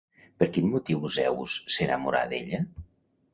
Per quin motiu Zeus s'enamora d'ella?